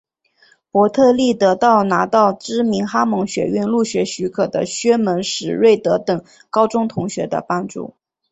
伯特利得到拿到知名哈蒙学院入学许可的薛门史瑞德等高中同学的帮助。